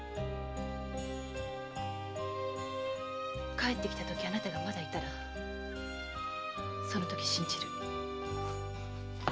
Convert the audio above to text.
帰ってきたときあなたがまだいたらそのとき信じる。